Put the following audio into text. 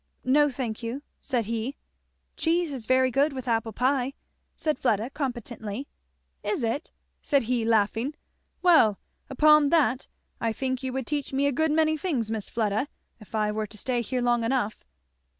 "No, thank you," said he. "Cheese is very good with apple pie," said Fleda competently. "Is it?" said he laughing. "Well upon that I think you would teach me a good many things, Miss Fleda, if I were to stay here long enough."